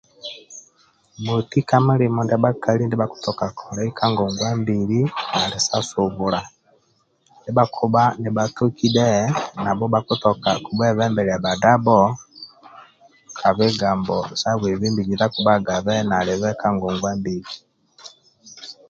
Moti ka mulimo ndia bhakali bhakutoka kolai ka ngongwa mbili ali sa subula ndia bhakibha ni bhatoki dhe nabho bakutoki dhe bhabho bhakitoka kubhuebembelia bhadabho ka bigambo sa bwebembeji ndia kubage nalibe ka ngongwambili